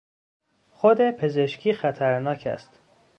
خود پزشکی خطرناک است.